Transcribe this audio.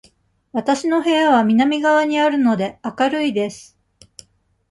わたしの部屋は南側にあるので、明るいです。